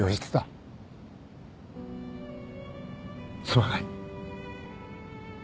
すまない。